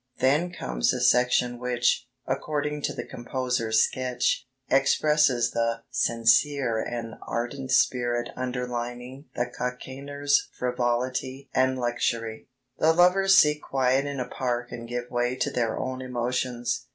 Then comes a section which, according to the composer's sketch, expresses the 'sincere and ardent spirit underlying the Cockaigner's frivolity and luxury.' The lovers seek quiet in a park and give way to their own emotions.